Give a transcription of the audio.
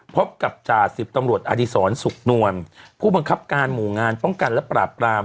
พบกับจ่าสิบตำรวจอดีศรสุขนวลผู้บังคับการหมู่งานป้องกันและปราบราม